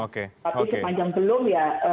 oke oke tapi sepanjang belum ya